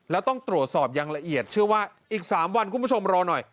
แล้วต้องตรวจสอบอย่างละเอียดเชื่อว่าอีก๓วันคุณผู้ชมรอหน่อย